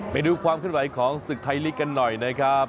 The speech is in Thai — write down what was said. ไปดูความขึ้นไหวของศึกไทยลีกกันหน่อยนะครับ